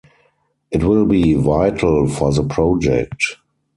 It will be vital for the project.